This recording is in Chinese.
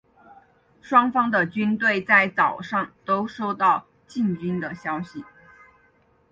双方的军队在早上都收到进军的消息。